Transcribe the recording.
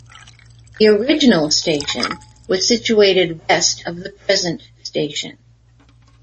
The original station was situated west of the present station.